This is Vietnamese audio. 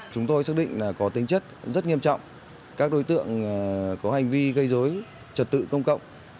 chúng tôi xác định là có tính chất rất nghiêm trọng các đối tượng có hành vi gây dối trật tự công cộng